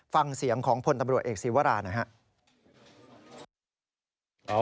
ฟังเสียงของพลตำรวจเอกศีวราหน่อยครับ